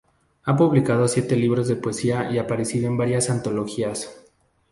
Ha publicado siete libros de poesía y aparecido en varias antologías.